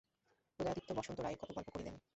উদয়াদিত্য বসন্ত রায়ের কত গল্প করিলেন।